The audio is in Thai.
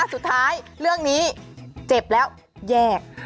สุดท้ายเรื่องนี้เจ็บแล้วแยก